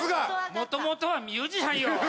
もともとはミュージシャンよ。